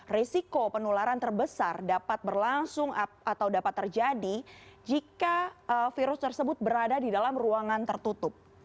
risiko penularan terbesar dapat berlangsung atau dapat terjadi jika virus tersebut berada di dalam ruangan tertutup